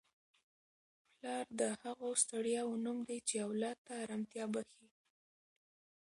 پلار د هغو ستړیاوو نوم دی چي اولاد ته ارامتیا بخښي.